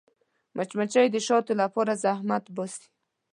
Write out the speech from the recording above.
مچمچۍ د شاتو لپاره زحمت باسي